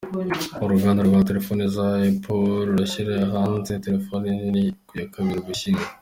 Uruganda rwa terefone za epo rurashyira hanze terefoni nini ku ya kabiri Ugushyingo